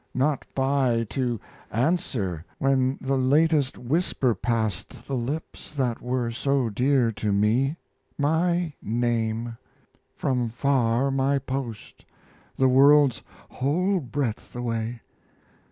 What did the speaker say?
Not by to answer When the latest whisper passed the lips That were so dear to me my name! Far from my post! the world's whole breadth away.